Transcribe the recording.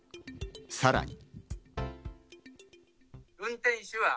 さらに。